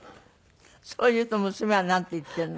そう言うと娘はなんて言っているの？